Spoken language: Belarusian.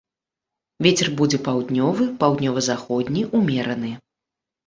Вецер будзе паўднёвы, паўднёва-заходні ўмераны.